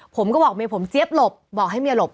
ผมก็บอกเมียผมเจี๊ยบหลบบอกให้เมียหลบ